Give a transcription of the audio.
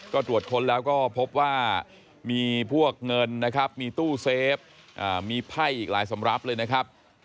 ก็ตรวจค้นแล้วก็พบว่ามีพวกเงินนะครับมีตู้เซฟมีไพ่อีกหลายสำรับเลยนะครับ